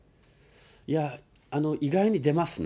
いや、意外に出ますね。